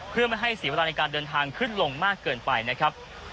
เพื่อไม่ให้เสียเวลาในการเดินทางขึ้นลงมากเกินไปนะครับ